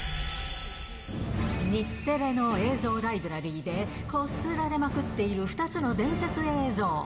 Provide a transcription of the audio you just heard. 日テレの映像ライブラリーでこすられまくっている２つの伝説映像。